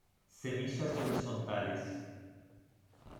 Semillas horizontales.